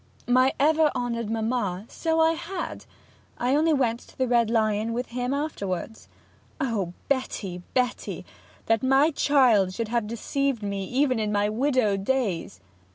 'My ever honoured mamma, so I had! I only went to the Red Lion with him afterwards.' 'Oh Betty, Betty! That my child should have deceived me even in my widowed days!'